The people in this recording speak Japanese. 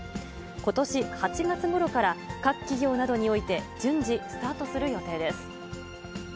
ことし８月ごろから各企業などにおいて、順次、スタートする予定